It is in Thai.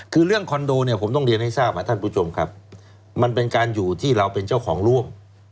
คือเรื่องคอนโดผมต้องเรียนให้ทราบครับมันเป็นการอยู่ที่เราเป็นเจ้าของร่วม